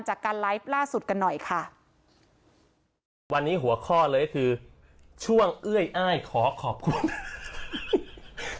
จากการไลฟ์ล่าสุดกันหน่อยค่ะวันนี้หัวข้อเลยก็คือช่วงเอื้อยอ้ายขอขอบคุณ